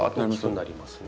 なりますね。